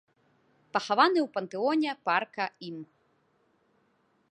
Пахаваны ў пантэоне парка ім.